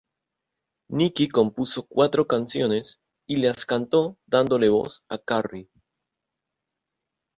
Nikki compuso cuatro canciones y las cantó dándole voz a Carrie.